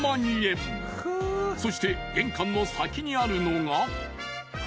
［そして玄関の先にあるのが］